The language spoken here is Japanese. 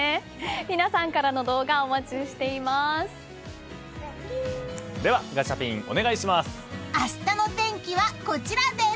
皆さんからの動画お待ちしています。